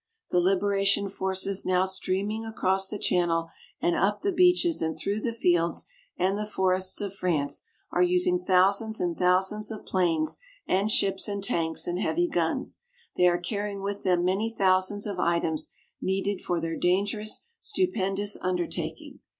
The liberation forces now streaming across the Channel, and up the beaches and through the fields and the forests of France are using thousands and thousands of planes and ships and tanks and heavy guns. They are carrying with them many thousands of items needed for their dangerous, stupendous undertaking.